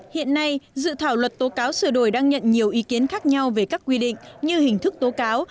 hiện nay dự thảo luật tố cáo sửa đổi đang nhận nhiều ý kiến khác nhau về các quy định như hình thức tố cáo